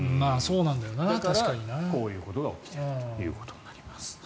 だからこういうことが起きているということになります。